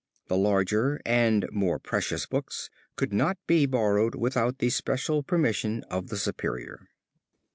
The larger and more precious books could not be borrowed without the special permission of the superior.